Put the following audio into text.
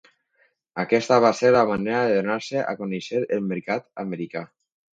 Aquesta va ser la manera de donar-se a conèixer al mercat americà.